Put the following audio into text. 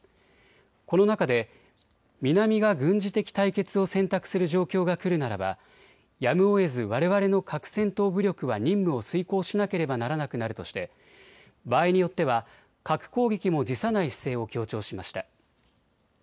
この中で、南が軍事的対決を選択する状況が来るならばやむをえずわれわれの核戦闘武力は任務を遂行しなければならなくなるとして場合によっては核攻撃も辞さない姿勢を強調しました。